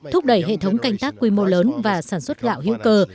thúc đẩy hệ thống canh tác quy mô lớn và sản xuất gạo hữu cơ